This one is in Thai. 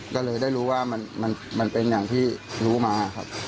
ก็เลยได้รู้ว่ามันเป็นอย่างที่รู้มาครับ